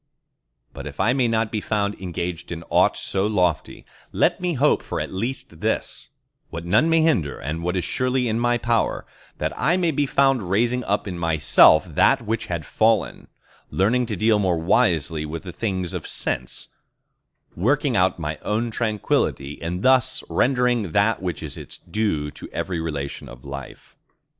But if I may not be found engaged in aught so lofty, let me hope at least for this—what none may hinder, what is surely in my power—that I may be found raising up in myself that which had fallen; learning to deal more wisely with the things of sense; working out my own tranquillity, and thus rendering that which is its due to every relation of life.